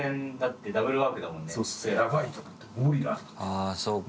ああそうか。